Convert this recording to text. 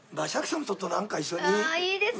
ああいいですね！